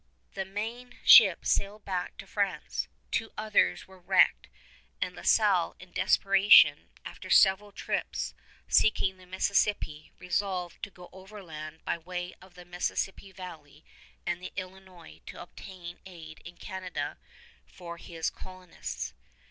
The main ship sailed back to France. Two others were wrecked, and La Salle in desperation, after several trips seeking the Mississippi, resolved to go overland by way of the Mississippi valley and the Illinois to obtain aid in Canada for his colonists.